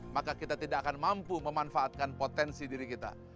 maka kita tidak akan mampu memanfaatkan potensi diri kita